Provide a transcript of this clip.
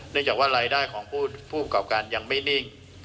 จากว่ารายได้ของผู้ประกอบการยังไม่นิ่ง